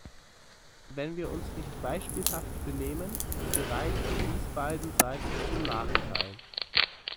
Wenn wir uns nicht beispielhaft benehmen, gereicht dies beiden Seiten zum Nachteil.